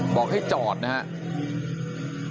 บอกให้จอดนะฮะ